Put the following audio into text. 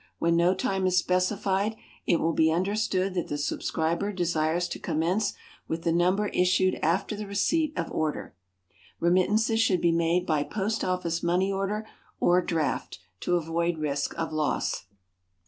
When no time is specified, it will be understood that the subscriber desires to commence with the Number issued after the receipt of order. Remittances should be made by POST OFFICE MONEY ORDER or DRAFT, to avoid risk of loss.